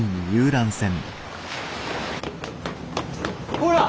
ほら！